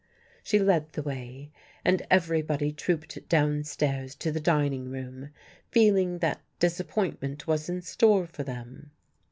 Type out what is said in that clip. She led the way and everybody trooped downstairs to the dining room, feeling that disappointment was in store for them.